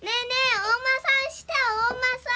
お馬さんしてお馬さん！